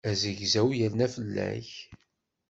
Azegzaw yerna fell-ak.